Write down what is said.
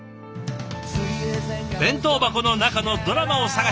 弁当箱の中のドラマを探して。